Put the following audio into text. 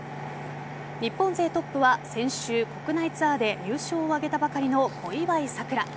日本勢トップは先週、国内ツアーで優勝を挙げたばかりの小祝さくら。